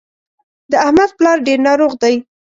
د احمد پلار ډېر ناروغ دی